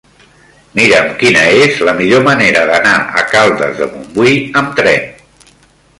Mira'm quina és la millor manera d'anar a Caldes de Montbui amb tren.